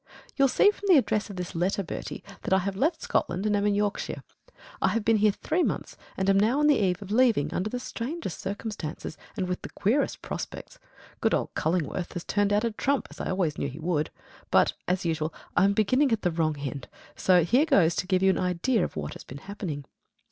You'll see from the address of this letter, Bertie, that I have left Scotland and am in Yorkshire. I have been here three months, and am now on the eve of leaving under the strangest circumstances and with the queerest prospects. Good old Cullingworth has turned out a trump, as I always knew he would. But, as usual, I am beginning at the wrong end, so here goes to give you an idea of what has been happening.